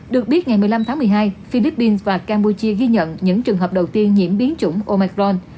được biết ngày một mươi năm tháng một mươi hai philippines và campuchia ghi nhận những trường hợp đầu tiên nhiễm biến chủng omicron